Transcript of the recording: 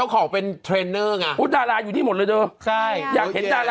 กลางกลางฮากไฟล์